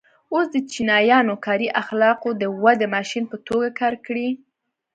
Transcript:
اوس د چینایانو کاري اخلاقو د ودې ماشین په توګه کار کړی.